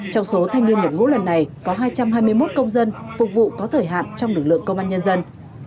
trong số thanh niên nhập ngũ lần này có hai trăm hai mươi một công dân phục vụ có thời hạn trong lực lượng công an nhân dân